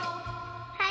はい。